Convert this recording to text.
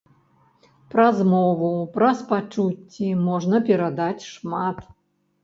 Праз мову, праз пачуцці можна перадаць шмат.